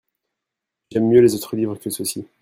J'aime mieux les autres livres que ceux-ci.